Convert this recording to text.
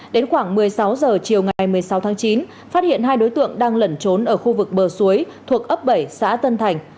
đến khoảng một mươi sáu h chiều ngày một mươi sáu tháng chín phát hiện hai đối tượng đang lẩn trốn ở khu vực bờ suối thuộc ấp bảy xã tân thành